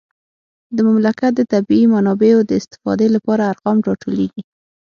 د مملکت د طبیعي منابعو د استفادې لپاره ارقام راټولیږي